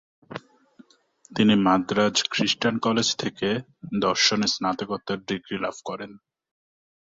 তিনি Madras Christian college থেকে দর্শনে স্নাতকোত্তর ডিগ্রি লাভ করেন।